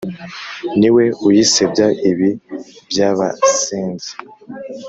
Ni we uyisebya ibi by'abasenzi